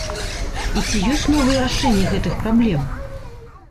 І ці ёсць новыя рашэнні гэтых праблем?